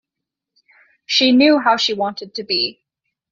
She knew how she wanted to be.